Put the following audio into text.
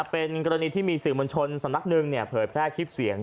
เป็นกรณีที่มีสื่อมวลชนสำนักหนึ่งเผยแพร่คลิปเสียง